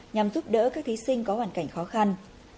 nhằm giúp đỡ các thí sinh có hoàn cảnh khó khăn